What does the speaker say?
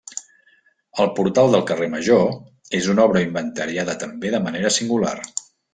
El Portal del Carrer Major és una obra inventariada també de manera singular.